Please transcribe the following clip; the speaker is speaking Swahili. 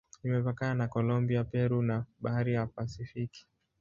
Imepakana na Kolombia, Peru na Bahari ya Pasifiki.